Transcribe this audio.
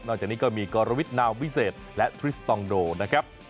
จากนี้ก็มีกรวิทนามวิเศษและทริสตองโดนะครับ